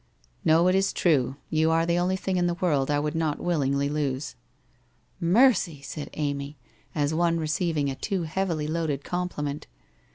' Xo, it is true, you are the only thing in the world I would not willingly lose.' 1 Mercy !' said Amy, as one receiving a too heavily loaded compliment.